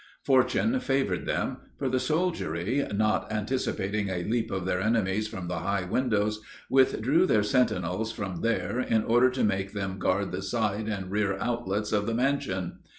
Fortune favored them; for the soldiery, not anticipating a leap of their enemies from the high windows, withdrew their sentinels from there in order to make them guard the side and rear outlets of the mansion.